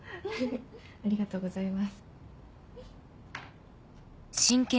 ありがとうございます。